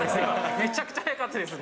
めちゃくちゃ早かったですね。